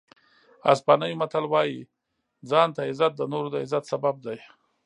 اسپانوي متل وایي ځان ته عزت د نورو د عزت سبب دی.